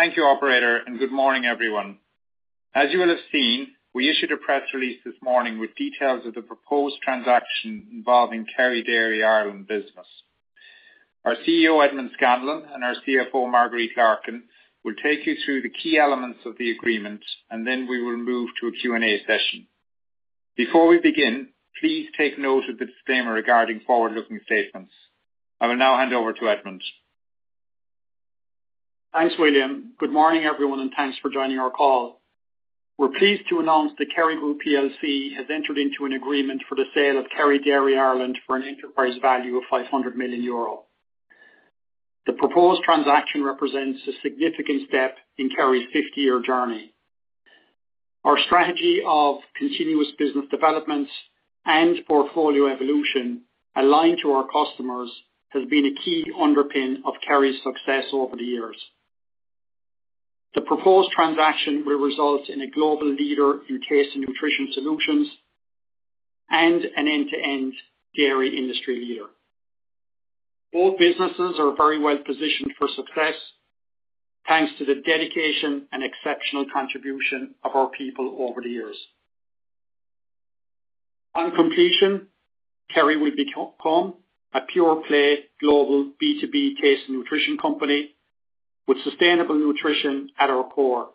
Thank you, Operator, and good morning, everyone. As you will have seen, we issued a press release this morning with details of the proposed transaction involving Kerry Dairy Ireland business. Our CEO, Edmond Scanlon, and our CFO, Marguerite Larkin, will take you through the key elements of the agreement, and then we will move to a Q&A session. Before we begin, please take note of the disclaimer regarding forward-looking statements. I will now hand over to Edmond. Thanks, William. Good morning, everyone, and thanks for joining our call. We're pleased to announce that Kerry Group PLC has entered into an agreement for the sale of Kerry Dairy Ireland for an enterprise value of 500 million euro. The proposed transaction represents a significant step in Kerry's 50-year journey. Our strategy of continuous business development and portfolio evolution aligned to our customers has been a key underpin of Kerry's success over the years. The proposed transaction will result in a global leader in taste and nutrition solutions and an end-to-end dairy industry leader. Both businesses are very well positioned for success thanks to the dedication and exceptional contribution of our people over the years. On completion, Kerry will become a pure-play global B2B taste and nutrition company with sustainable nutrition at our core,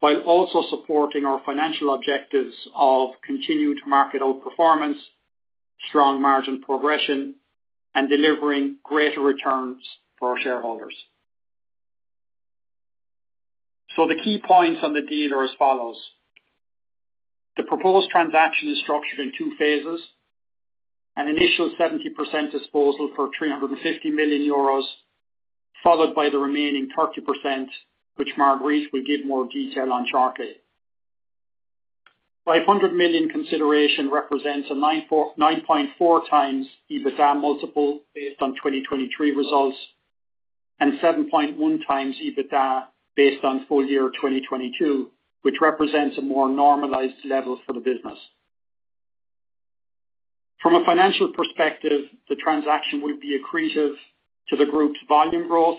while also supporting our financial objectives of continued market outperformance, strong margin progression, and delivering greater returns for our shareholders. So the key points on the deal are as follows. The proposed transaction is structured in two phases: an initial 70% disposal for 350 million euros, followed by the remaining 30%, which Marguerite will give more detail on shortly. 500 million consideration represents a 9.4x EBITDA multiple based on 2023 results and 7.1x EBITDA based on full year 2022, which represents a more normalized level for the business. From a financial perspective, the transaction will be accretive to the group's volume growth.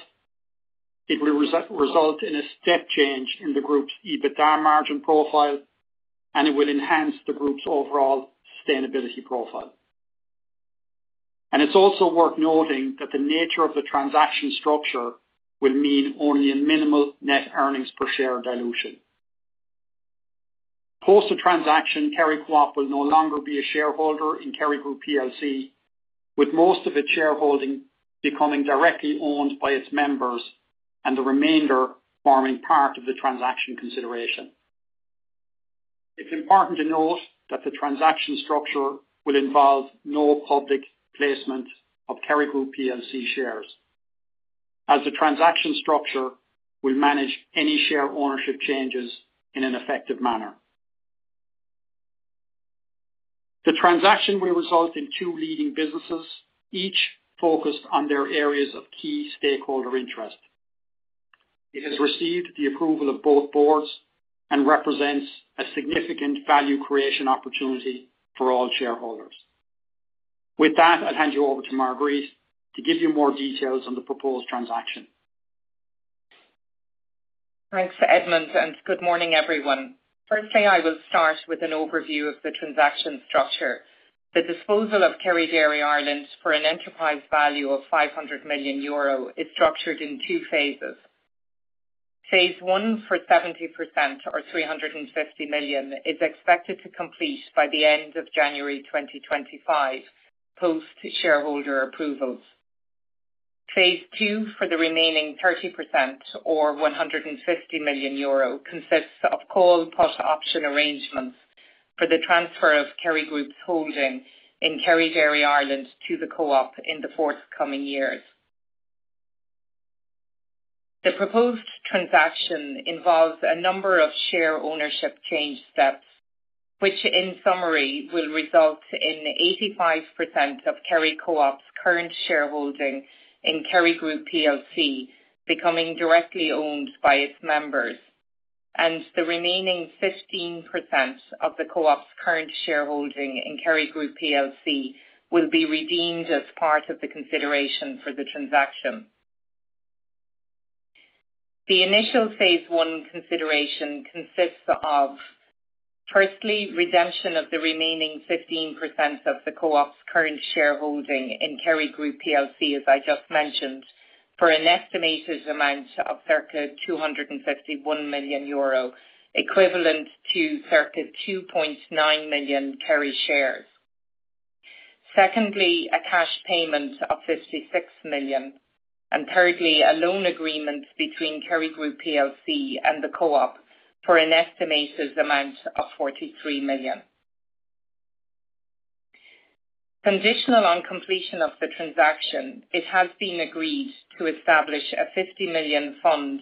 It will result in a step change in the group's EBITDA margin profile, and it will enhance the group's overall sustainability profile. It's also worth noting that the nature of the transaction structure will mean only a minimal net earnings per share dilution. Post the transaction, Kerry Co-op will no longer be a shareholder in Kerry Group PLC, with most of its shareholding becoming directly owned by its members and the remainder forming part of the transaction consideration. It's important to note that the transaction structure will involve no public placement of Kerry Group PLC shares, as the transaction structure will manage any share ownership changes in an effective manner. The transaction will result in two leading businesses, each focused on their areas of key stakeholder interest. It has received the approval of both boards and represents a significant value creation opportunity for all shareholders. With that, I'll hand you over to Marguerite to give you more details on the proposed transaction. Thanks, Edmond, and good morning, everyone. Firstly, I will start with an overview of the transaction structure. The disposal of Kerry Dairy Ireland for an enterprise value of 500 million euro is structured in two phases. Phase I for 70%, or 350 million, is expected to complete by the end of January 2025, post shareholder approvals. Phase II for the remaining 30%, or 150 million euro, consists of call-put option arrangements for the transfer of Kerry Group's holding in Kerry Dairy Ireland to the Co-op in the forthcoming years. The proposed transaction involves a number of share ownership change steps, which, in summary, will result in 85% of Kerry Co-op's current shareholding in Kerry Group PLC becoming directly owned by its members, and the remaining 15% of the Co-op's current shareholding in Kerry Group PLC will be redeemed as part of the consideration for the transaction. The initial phase I consideration consists of, firstly, redemption of the remaining 15% of the Co-op's current shareholding in Kerry Group PLC, as I just mentioned, for an estimated amount of circa 251 million euro, equivalent to circa 2.9 million Kerry shares. Secondly, a cash payment of 56 million. And thirdly, a loan agreement between Kerry Group PLC and the Co-op for an estimated amount of 43 million. Conditional on completion of the transaction, it has been agreed to establish a 50 million fund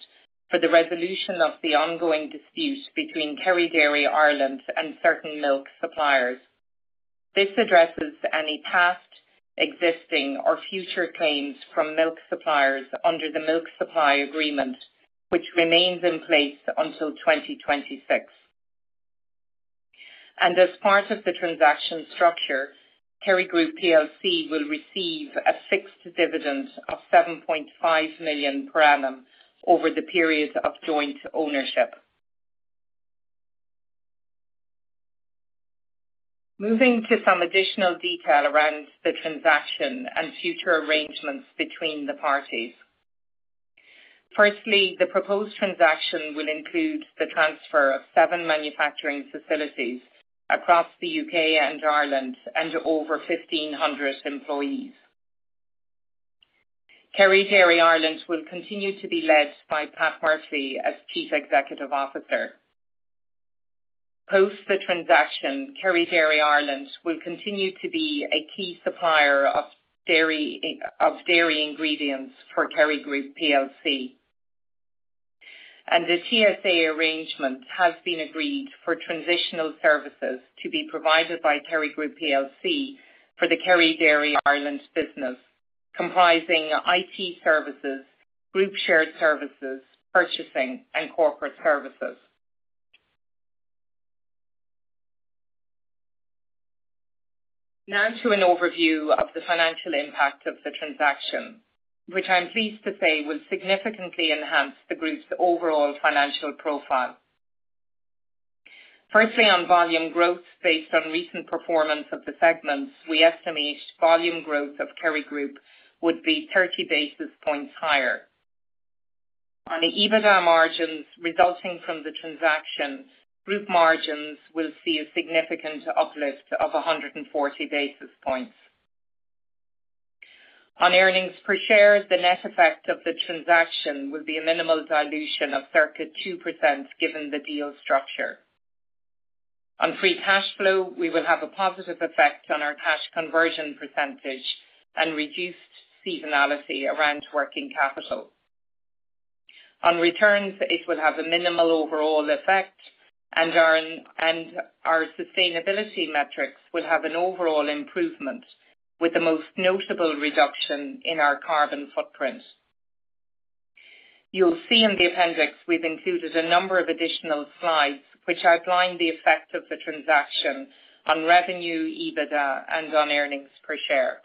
for the resolution of the ongoing dispute between Kerry Dairy Ireland and certain milk suppliers. This addresses any past, existing, or future claims from milk suppliers under the milk supply agreement, which remains in place until 2026. And as part of the transaction structure, Kerry Group PLC will receive a fixed dividend of 7.5 million per annum over the period of joint ownership. Moving to some additional detail around the transaction and future arrangements between the parties. Firstly, the proposed transaction will include the transfer of seven manufacturing facilities across the U.K. and Ireland and over 1,500 employees. Kerry Dairy Ireland will continue to be led by Pat Murphy as Chief Executive Officer. Post the transaction, Kerry Dairy Ireland will continue to be a key supplier of dairy ingredients for Kerry Group PLC, and the TSA arrangement has been agreed for transitional services to be provided by Kerry Group PLC for the Kerry Dairy Ireland business, comprising IT services, group shared services, purchasing, and corporate services. Now to an overview of the financial impact of the transaction, which I'm pleased to say will significantly enhance the group's overall financial profile. Firstly, on volume growth based on recent performance of the segments, we estimate volume growth of Kerry Group would be 30 basis points higher. On the EBITDA margins resulting from the transaction, group margins will see a significant uplift of 140 basis points. On earnings per share, the net effect of the transaction will be a minimal dilution of circa 2% given the deal structure. On free cash flow, we will have a positive effect on our cash conversion percentage and reduced seasonality around working capital. On returns, it will have a minimal overall effect, and our sustainability metrics will have an overall improvement, with the most notable reduction in our carbon footprint. You'll see in the appendix we've included a number of additional slides which outline the effect of the transaction on revenue, EBITDA, and on earnings per share.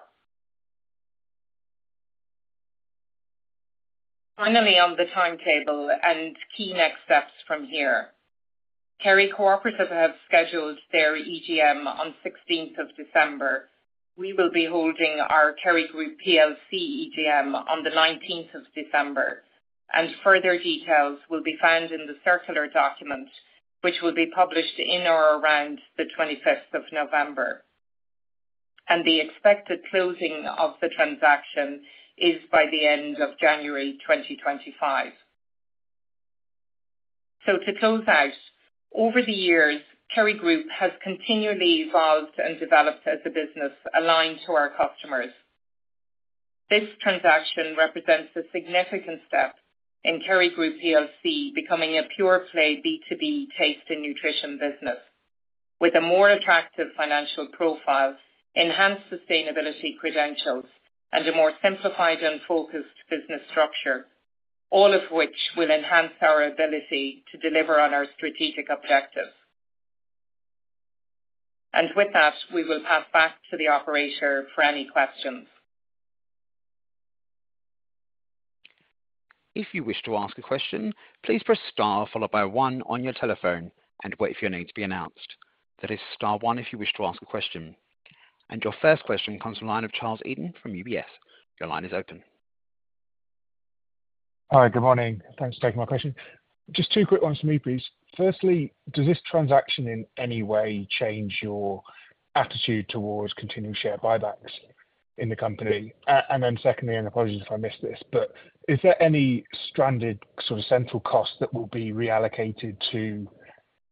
Finally, on the timetable and key next steps from here, Kerry Co-op has scheduled their EGM on the 16th of December. We will be holding our Kerry Group PLC EGM on the 19th of December, and further details will be found in the circular document, which will be published in or around the 25th of November, and the expected closing of the transaction is by the end of January 2025, so to close out, over the years, Kerry Group has continually evolved and developed as a business aligned to our customers. This transaction represents a significant step in Kerry Group PLC becoming a pure-play B2B taste and nutrition business, with a more attractive financial profile, enhanced sustainability credentials, and a more simplified and focused business structure, all of which will enhance our ability to deliver on our strategic objectives. With that, we will pass back to the Operator for any questions. If you wish to ask a question, please press star followed by one on your telephone and wait for your name to be announced. That is star one if you wish to ask a question. And your first question comes from the line of Charles Eden from UBS. Your line is open. Hi, good morning. Thanks for taking my question. Just two quick ones for me, please. Firstly, does this transaction in any way change your attitude towards continuing share buybacks in the company? And then secondly, and apologies if I missed this, but is there any stranded sort of central cost that will be reallocated to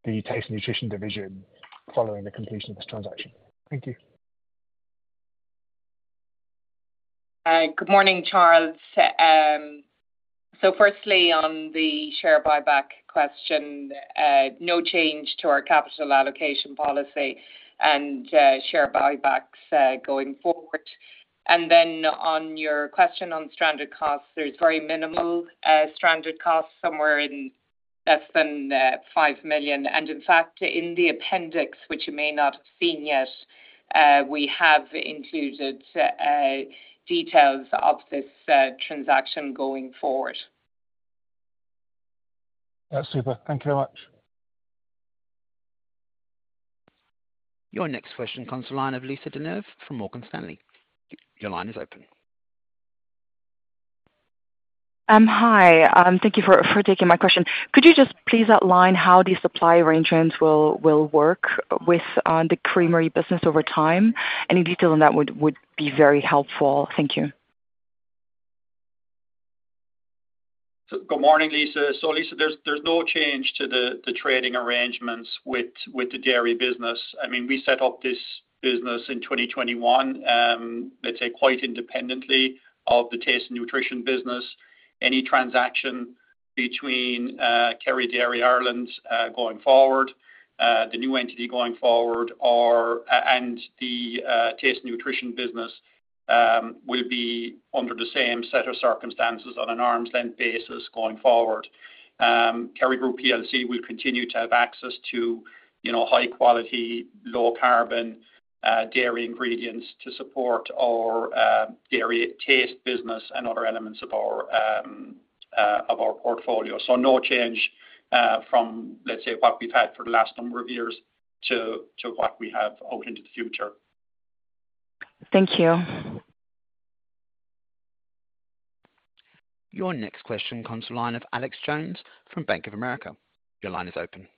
the taste and nutrition division following the completion of this transaction? Thank you. Good morning, Charles. So firstly, on the share buyback question, no change to our capital allocation policy and share buybacks going forward. And then on your question on stranded costs, there's very minimal stranded costs somewhere in less than 5 million. And in fact, in the appendix, which you may not have seen yet, we have included details of this transaction going forward. That's super. Thank you very much. Your next question on the line of Lisa De Neve from Morgan Stanley. Your line is open. Hi, thank you for taking my question. Could you just please outline how these supply arrangements will work with the creamery business over time? Any detail on that would be very helpful. Thank you. Good morning, Lisa. So Lisa, there's no change to the trading arrangements with the dairy business. I mean, we set up this business in 2021, let's say, quite independently of the taste and nutrition business. Any transaction between Kerry Dairy Ireland going forward, the new entity going forward, and the taste and nutrition business will be under the same set of circumstances on an arm's length basis going forward. Kerry Group PLC will continue to have access to high-quality, low-carbon dairy ingredients to support our dairy taste business and other elements of our portfolio. So no change from, let's say, what we've had for the last number of years to what we have out into the future. Thank you. Your next question, caller's line of Alex Jones from Bank of America. Your line is open.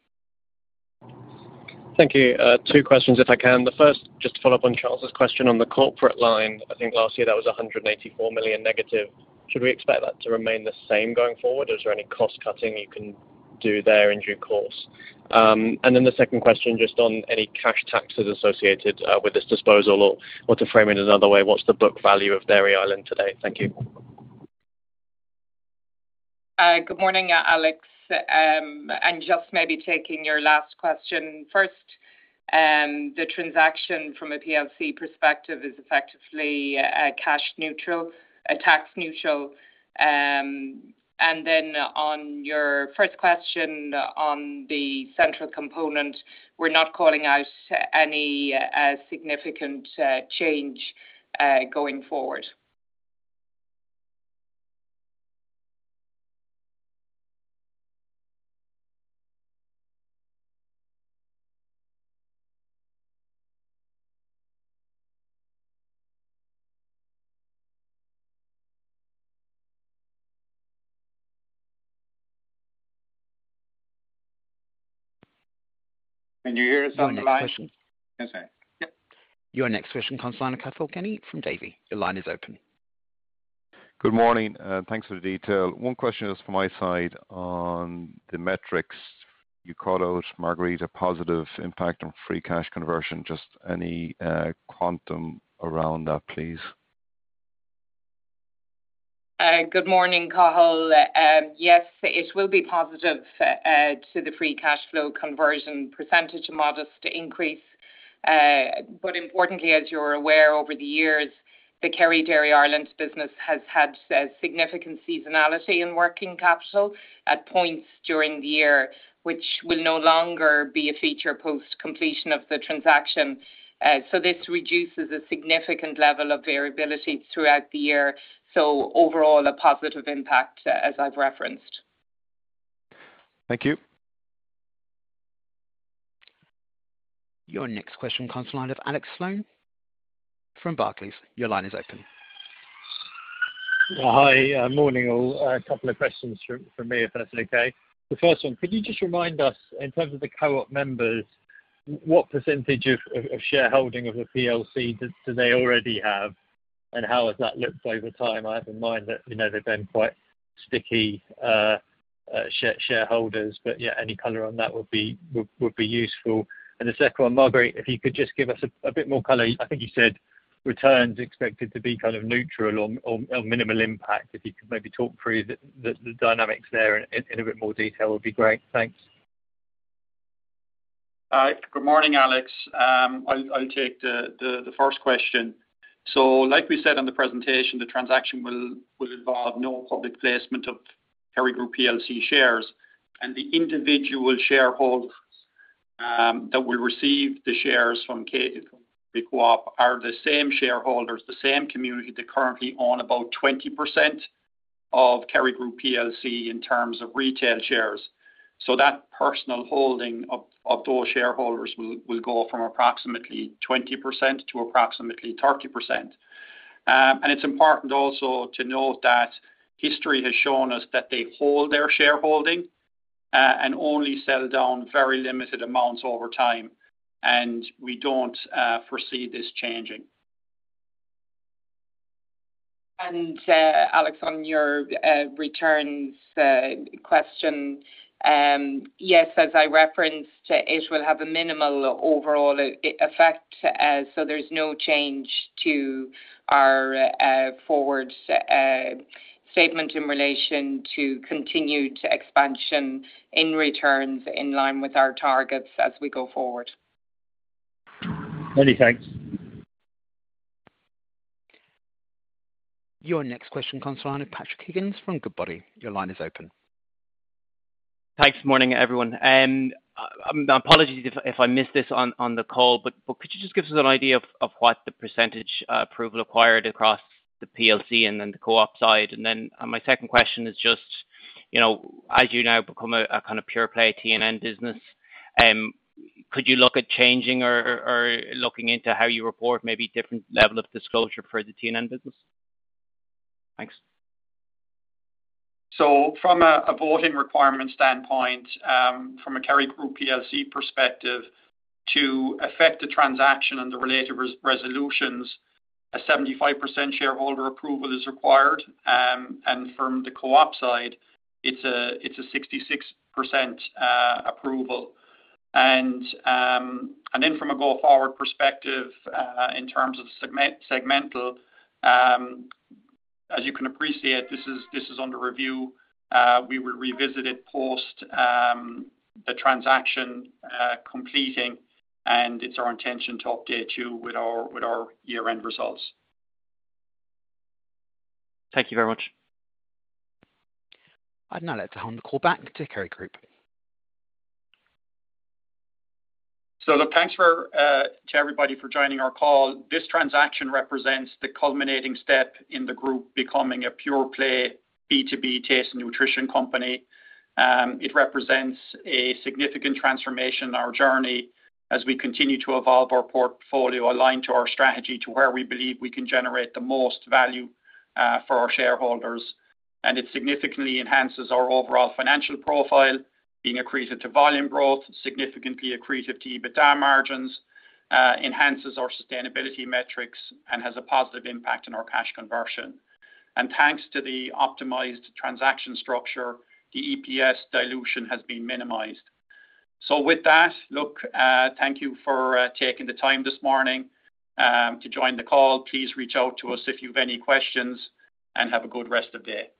Thank you. Two questions, if I can. The first, just to follow up on Charles's question on the corporate line. I think last year that was 184 million negative. Should we expect that to remain the same going forward? Is there any cost-cutting you can do there in due course? And then the second question, just on any cash taxes associated with this disposal, or to frame it another way, what's the book value of Dairy Ireland today? Thank you. Good morning, Alex. And just maybe taking your last question first, the transaction from a PLC perspective is effectively cash neutral, tax neutral. And then on your first question on the central component, we're not calling out any significant change going forward. Can you hear us on the line? Thank you. Yes, sir. Yep. Your next question, caller line of Cathal Kenny from Davy. Your line is open. Good morning. Thanks for the detail. One question just from my side on the metrics you called out, Marguerite, a positive impact on free cash conversion. Just any quantum around that, please? Good morning, Cathal. Yes, it will be positive to the free cash flow conversion percentage, a modest increase. But importantly, as you're aware, over the years, the Kerry Dairy Ireland business has had significant seasonality in working capital at points during the year, which will no longer be a feature post completion of the transaction. So this reduces a significant level of variability throughout the year. So overall, a positive impact, as I've referenced. Thank you. Your next question, on the line of Alex Sloane from Barclays. Your line is open. Hi, morning. A couple of questions from me, if that's okay. The first one, could you just remind us, in terms of the Co-op members, what percentage of shareholding of the PLC do they already have, and how has that looked over time? I have in mind that they've been quite sticky shareholders, but yeah, any color on that would be useful. And the second one, Marguerite, if you could just give us a bit more color. I think you said returns expected to be kind of neutral or minimal impact. If you could maybe talk through the dynamics there in a bit more detail, it would be great. Thanks. Hi, good morning, Alex. I'll take the first question. So like we said on the presentation, the transaction will involve no public placement of Kerry Group PLC shares. And the individual shareholders that will receive the shares from Kerry Group are the same shareholders, the same community that currently own about 20% of Kerry Group PLC in terms of retail shares. So that personal holding of those shareholders will go from approximately 20% to approximately 30%. And it's important also to note that history has shown us that they hold their shareholding and only sell down very limited amounts over time, and we don't foresee this changing. And Alex, on your returns question, yes, as I referenced, it will have a minimal overall effect. So there's no change to our forward statement in relation to continued expansion in returns in line with our targets as we go forward. Many thanks. Your next question comes from the line of Patrick Higgins from Goodbody. Your line is open. Thanks. Good morning, everyone. Apologies if I missed this on the call, but could you just give us an idea of what the percentage approval acquired across the PLC and then the Co-op side? And then my second question is just, as you now become a kind of pure-play T&N business, could you look at changing or looking into how you report maybe different level of disclosure for the T&N business? Thanks. So from a voting requirement standpoint, from a Kerry Group PLC perspective, to affect the transaction and the related resolutions, a 75% shareholder approval is required. And from the Co-op side, it's a 66% approval. And then from a go-forward perspective, in terms of segmental, as you can appreciate, this is under review. We will revisit it post the transaction completing, and it's our intention to update you with our year-end results. Thank you very much. And now let's hand the call back to Kerry Group. So thanks to everybody for joining our call. This transaction represents the culminating step in the group becoming a pure-play B2B taste and nutrition company. It represents a significant transformation in our journey as we continue to evolve our portfolio aligned to our strategy to where we believe we can generate the most value for our shareholders. And it significantly enhances our overall financial profile, being accretive to volume growth, significantly accretive to EBITDA margins, enhances our sustainability metrics, and has a positive impact on our cash conversion. And thanks to the optimized transaction structure, the EPS dilution has been minimized. So with that, look, thank you for taking the time this morning to join the call. Please reach out to us if you have any questions and have a good rest of the day.